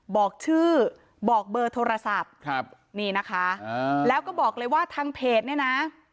บอกชื่อบอกเบอร์โทรศัพท์ครับนี่นะคะแล้วก็บอกเลยว่าทางเพจเนี่ยนะ